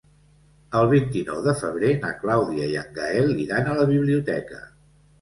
El vint-i-nou de febrer na Clàudia i en Gaël iran a la biblioteca.